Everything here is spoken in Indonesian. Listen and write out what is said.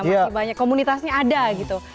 masih banyak komunitasnya ada gitu